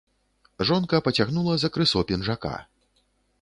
Жонка пацягнула за крысо пінжака.